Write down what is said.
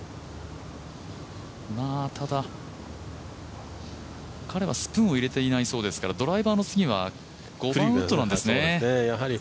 ただ、彼はスプーンを入れていないそうですからドライバーの次は１ウッドなんですね。